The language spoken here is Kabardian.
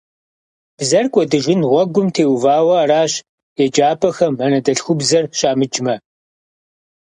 Бзэр кӀуэдыжын гъуэгум теувауэ аращ еджапӀэхэм анэдэлъхубзэр щамыджмэ.